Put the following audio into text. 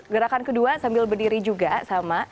gerakan kedua sambil berdiri juga sama